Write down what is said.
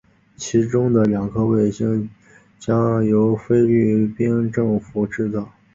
其中的两颗卫星将由菲律宾政府制造。